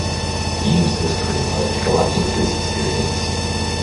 Eaves was criticized for lacking police experience.